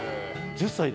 １０歳で。